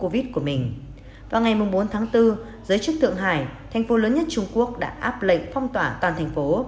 vào ngày bốn tháng bốn giới chức thượng hải thành phố lớn nhất trung quốc đã áp lệnh phong tỏa toàn thành phố